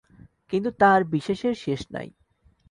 কিন্তু তাঁর বিশেষের শেষ নেই।